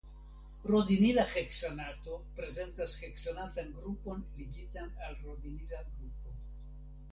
Rodinila heksanato prezentas heksanatan grupon ligitan al rodinila grupo.